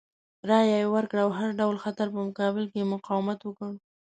رایه یې ورکړه او د هر ډول خطر په مقابل کې یې مقاومت وکړ.